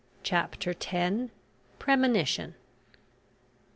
CHAPTER TEN. PREMONITION.